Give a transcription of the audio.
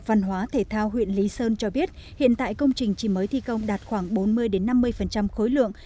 văn hóa thể thao huyện lý sơn cho biết hiện tại công trình chỉ mới thi công đạt khoảng bốn mươi năm mươi khối lượng